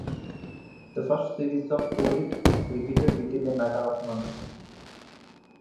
The first series of "Cool It" was repeated within a matter of months.